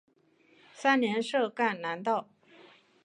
三年设赣南道。